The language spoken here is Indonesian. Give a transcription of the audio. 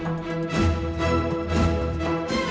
jangan jangan jangan